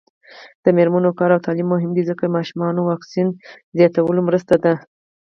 د میرمنو کار او تعلیم مهم دی ځکه چې ماشومانو واکسین زیاتولو مرسته ده.